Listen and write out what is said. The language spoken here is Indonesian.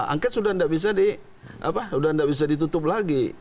angket sudah tidak bisa ditutup lagi